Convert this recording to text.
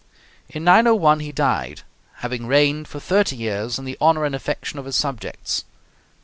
In 901 he died, having reigned for thirty years in the honor and affection of his subjects.